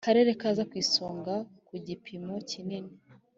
Karere Kaza Ku Isonga Ku Gipimo Kinini